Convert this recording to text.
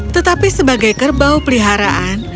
tetapi sebagai kerbau peliharaan